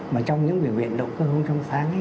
mà trong những biểu hiện động cơ không trong sáng